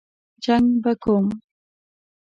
جنګ به کوم.